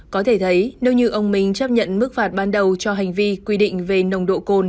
có thể thấy nếu như ông minh chấp nhận mức phạt ban đầu cho hành vi quy định về nồng độ cồn